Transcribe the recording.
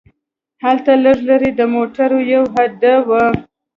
هلته لږ لرې د موټرو یوه هډه وه.